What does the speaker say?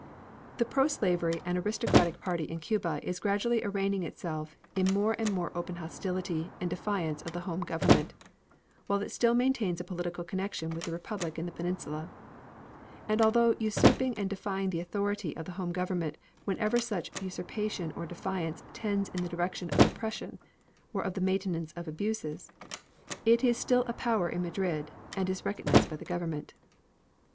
The proslavery and aristocratic party in Cuba is gradually arraigning itself in more and more open hostility and defiance of the home government, while it still maintains a political connection with the Republic in the peninsula; and although usurping and defying the authority of the home government whenever such usurpation or defiance tends in the direction of oppression or of the maintenance of abuses, it is still a power in Madrid, and is recognized by the Government.